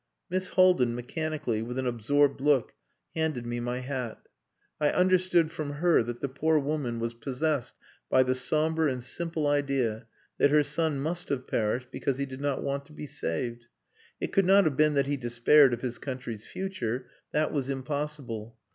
Miss Haldin mechanically, with an absorbed look, handed me my hat. I understood from her that the poor woman was possessed by the sombre and simple idea that her son must have perished because he did not want to be saved. It could not have been that he despaired of his country's future. That was impossible.